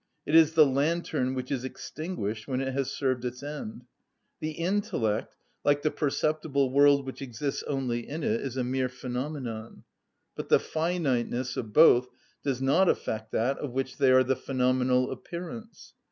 It is the lantern which is extinguished when it has served its end. The intellect, like the perceptible world which exists only in it, is a mere phenomenon; but the finiteness of both does not affect that of which they are the phenomenal appearance.